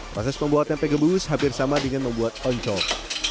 proses membuat tempe gembus hampir sama dengan membuat oncom